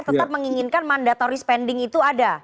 tetap menginginkan mandatory spending itu ada